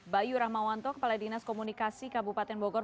bayu rahmawanto kepala dinas komunikasi kabupaten bogor